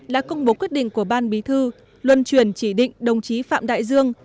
đã công bố quyết định của ban bí thư luân truyền chỉ định đồng chí phạm đại dương